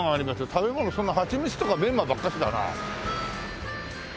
食べ物そんなハチミツとかメンマばっかしだな。